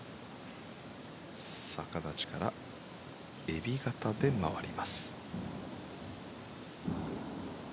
逆立ちからえび型で回ります。